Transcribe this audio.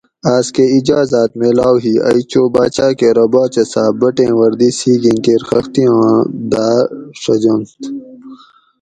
آۤس کہ اجازاۤت میلاؤ ہی ائی چو باچاۤ کہ ارو باچہ صاۤب بٹیں وردی سِیگیں کیر خختی آں داۤ ڛجنت